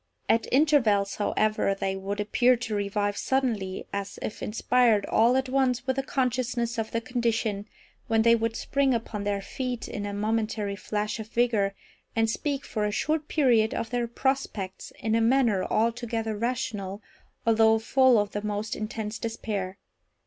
At intervals, however, they would appear to revive suddenly, as if inspired all at once with a consciousness of their condition, when they would spring upon their feet in a momentary flash of vigour, and speak, for a short period, of their prospects, in a manner altogether rational, although full of the most intense despair.